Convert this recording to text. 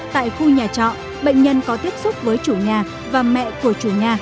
tại khu nhà trọ bệnh nhân có tiếp xúc với chủ nhà và mẹ của chủ nhà